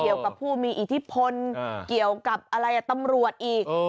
เกี่ยวกับผู้มีอิทธิพนธ์เกี่ยวกับอะไรตำรวจอีก